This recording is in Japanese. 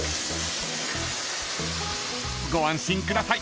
［ご安心ください。